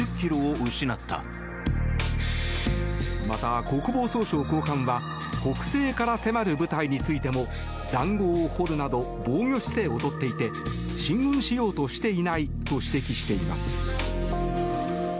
また、国防総省高官は北西から迫る部隊についても塹壕を掘るなど防御姿勢を取っていて進軍しようとしていないと指摘しています。